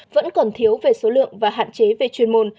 vẫn còn thiếu về số lượng và hạn chế về chuyên môn